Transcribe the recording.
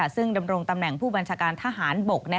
ซึ่งดำรงตำแหน่งผู้บัญชาการทหารบก